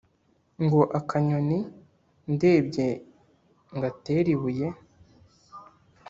ngo akanyoni ndebye ngatere ibuye